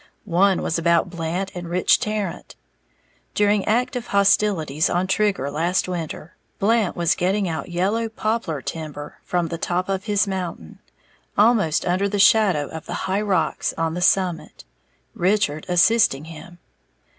One was about Blant and Rich Tarrant. During active hostilities on Trigger last winter, Blant was getting out yellow poplar timber from the top of his mountain, almost under the shadow of the "high rocks" on the summit, Richard assisting him.